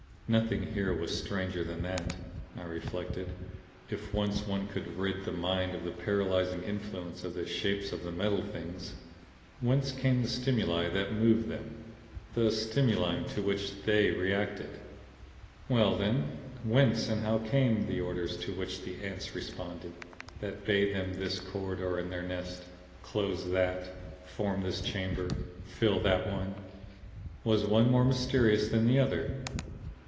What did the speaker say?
Nothing here was stranger than that, I reflected if once one could rid the mind of the paralyzing influence of the shapes of the Metal Things. Whence came the stimuli that moved THEM, the stimuli to which THEY reacted? * William Beebe, Atlantic Monthly, October, 1919. Well then whence and how came the orders to which the ANTS responded; that bade them open THIS corridor in their nest, close THAT, form this chamber, fill that one? Was one more mysterious than the other?